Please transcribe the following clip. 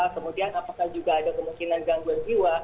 kemudian apakah juga ada kemungkinan gangguan jiwa